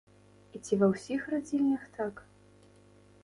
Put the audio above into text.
І ці ва ўсіх радзільнях так?